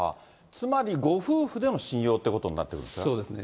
つまり、ご夫婦での信用ということになってくるんですか。